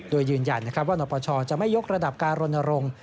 โดยยืนยันว่านปชจะไม่ยกระดับการรณรงค์